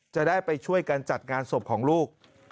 จะได้ไปช่วยกันจัดงานศพของลูก